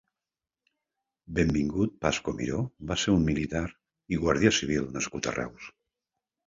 Benvingut Pascó Miró va ser un militar i guàrdia civil nascut a Reus.